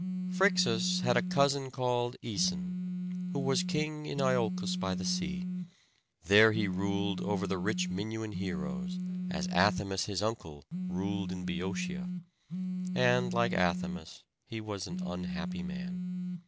Phrixus had a cousin called Æson, who was king in Iolcos by the sea. There he ruled over the rich Minuan heroes, as Athamas his uncle ruled in Bœotia; and like Athamas, he was an unhappy man.